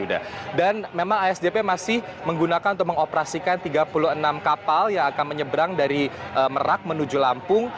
dan memang asdp masih menggunakan untuk mengoperasikan tiga puluh enam kapal yang akan menyeberang dari merak menuju lampung